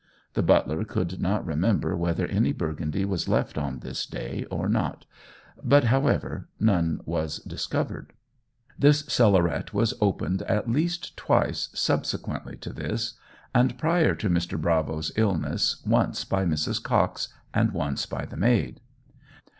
The butler could not remember whether any Burgundy was left on this day or not; but, however, none was discovered. This cellaret was opened at least twice subsequently to this, and prior to Mr. Bravo's illness, once by Mrs. Cox, and once by the maid.